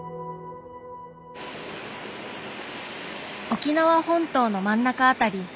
沖縄本島の真ん中辺り。